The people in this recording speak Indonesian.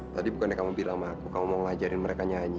tadi bukannya kamu bilang sama aku kamu mau ngajarin mereka nyanyi